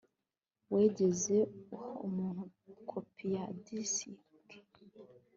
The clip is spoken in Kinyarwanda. wigeze uha umuntu kopi ya disiki